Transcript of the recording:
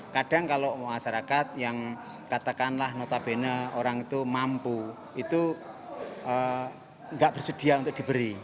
kadang kalau masyarakat yang katakanlah notabene orang itu mampu itu nggak bersedia untuk diberi